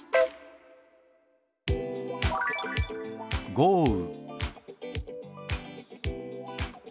「豪雨」。